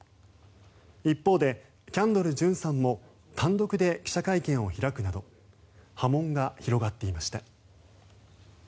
一方でキャンドル・ジュンさんも単独で記者会見を開くなど波紋が広がっていました。